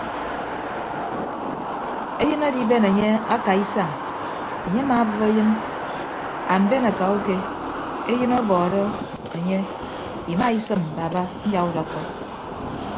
Eyịn adiben enye akaa isañ enye amaabịp eyịn amben akauke eyịn ọbọọrọ enye imaisịm baba nyaudọkkọ.